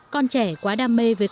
con trẻ quá đam mê với các thiết kế